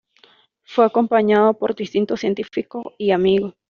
Fue acompañado por distintos científicos y amigos.